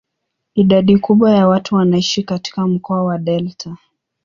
Idadi kubwa ya watu wanaishi katika mkoa wa delta.